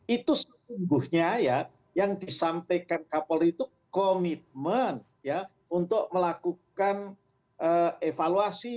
itu sebetulnya yang disampaikan kapolri itu komitmen untuk melakukan evaluasi